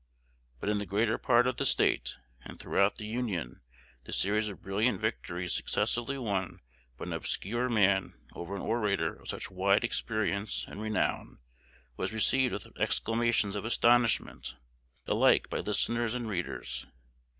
But in the greater part of the State, and throughout the Union the series of brilliant victories successively won by an obscure man over an orator of such wide experience and renown was received with exclamations of astonishment, alike by listeners and readers.